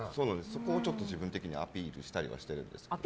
そこを自分的にアピールしたりしてみたり。